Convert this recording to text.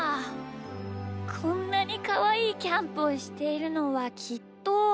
こんなにかわいいキャンプをしているのはきっと。